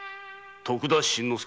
徳田新之助？